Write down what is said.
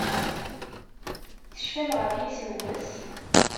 Tecfam ɣef yisem-nnes?